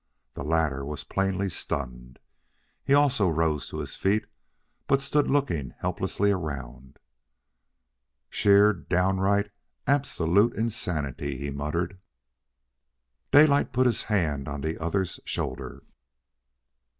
The latter was plainly stunned. He also rose to his feet, but stood looking helplessly around. "Sheer, downright, absolute insanity," he muttered. Daylight put his hand on the other's shoulder.